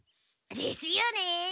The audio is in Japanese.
ですよね！